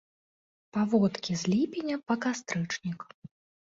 Паводкі з ліпеня па кастрычнік.